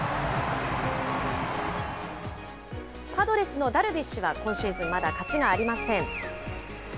パドレスのダルビッシュは今シーズン、まだ勝ちがありません。